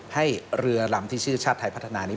ให้เรือลำที่ชื่อชาติไทยพัฒนานี้